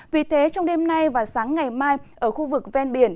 vì thế trong đêm nay và sáng ngày mai ở khu vực ven biển